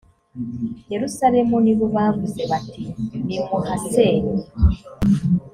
yerusalemu ni bo bavuze bati nimuhasenye